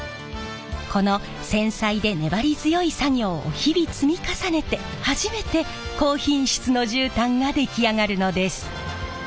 この繊細で粘り強い作業を日々積み重ねて初めて高品質の絨毯が出来上がるのです。